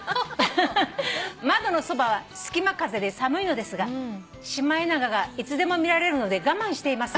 「窓のそばは隙間風で寒いのですがシマエナガがいつでも見られるので我慢しています」